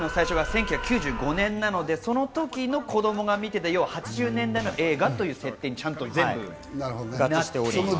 １９９５年なので、その時の子供が見ていた８０年代の映画という設定に全部合致しています。